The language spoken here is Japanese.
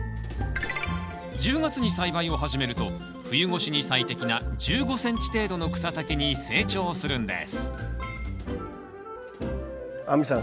１０月に栽培を始めると冬越しに最適な１５ｃｍ程度の草丈に成長するんです亜美さん